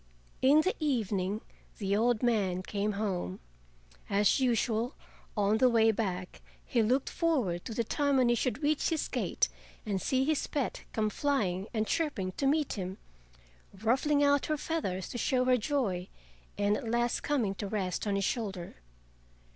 In the evening the old man came home. As usual, on the way back he looked forward to the time when he should reach his gate and see his pet come flying and chirping to meet him, ruffling out her feathers to show her joy, and at last coming to rest on his shoulder.